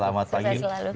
selamat pagi selalu